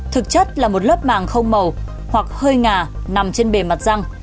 thực chất là một lớp màng không màu hoặc hơi ngà nằm trên bề mặt răng